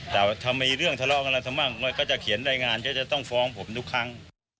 แต่ถ้ามีเรื่องทะเลาะอะไรกันบ้างก็จะเขียนรายงานจะต้องฟ้องผมทุกครั้ง